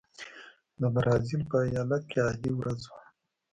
د برازیل په ایالت کې عادي ورځ وه.